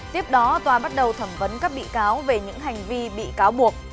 tiếp đó tòa bắt đầu thẩm vấn các bị cáo về những hành vi bị cáo buộc